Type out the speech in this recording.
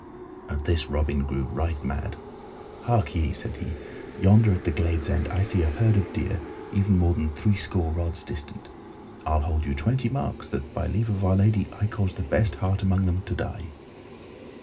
At this Robin grew right mad. "Hark ye," said he, "yonder, at the glade's end, I see a herd of deer, even more than threescore rods distant. I'll hold you twenty marks that, by leave of Our Lady, I cause the best hart among them to die."